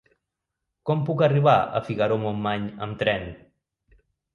Com puc arribar a Figaró-Montmany amb tren?